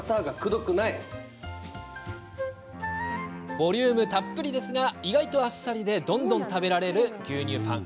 ボリュームたっぷりですが意外とあっさりでどんどん食べられる牛乳パン。